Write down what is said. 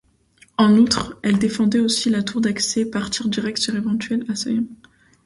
En outre, elle défendait aussi la Tour d'accès, par tir direct sur éventuels assaillants.